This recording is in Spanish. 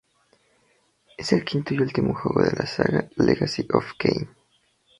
Es el quinto y último juego de la saga "Legacy of Kain".